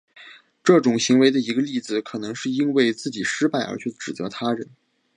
这种行为的一个例子可能是因为自己失败而去指责他人。